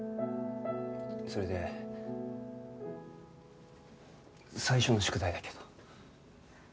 それで最初の宿題だけど。